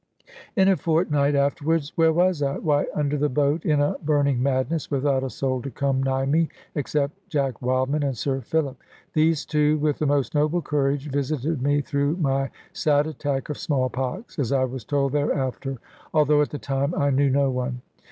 In a fortnight afterwards where was I? Why, under the boat, in a burning madness, without a soul to come nigh me, except Jack Wildman and Sir Philip. These two, with the most noble courage, visited me through my sad attack of small pox, as I was told thereafter, although at the time I knew no one.